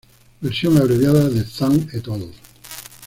Versión abreviada de Zhang "et al.